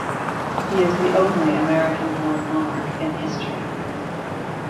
He is the only American-born monarch in history.